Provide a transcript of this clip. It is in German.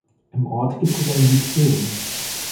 Im Ort gibt es ein Lyzeum.